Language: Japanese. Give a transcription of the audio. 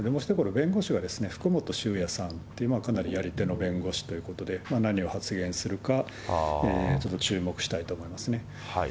弁護士がふくもとしゅうやさんっていう、かなりやり手の弁護士ということで、何を発言するか、ちょっと注目したいと思いますね。